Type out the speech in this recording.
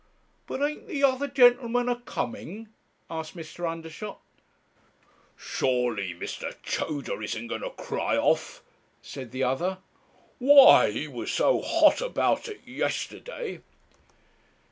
'But a'n't the other gen'leman a coming?' asked Mr. Undershot. 'Surely Mr. Tooder isn't a going to cry off?' said the other. 'Why, he was so hot about it yesterday.'